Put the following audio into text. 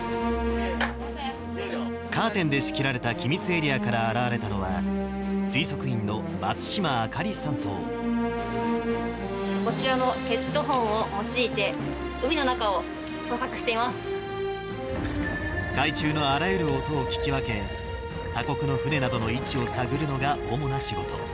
カーテンで仕切られた機密エリアから現れたのは、こちらのヘッドホンを用いて、海中のあらゆる音を聞き分け、他国の船などの位置を探るのが主な仕事。